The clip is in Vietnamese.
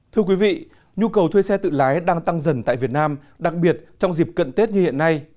thưa quý vị nhu cầu thuê xe tự lái đang tăng dần tại việt nam đặc biệt trong dịp cận tết như hiện nay